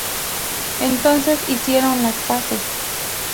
Entonces hicieron las paces.